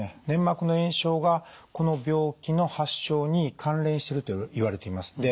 粘膜の炎症がこの病気の発症に関連しているといわれています。